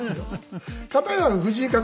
片や藤井風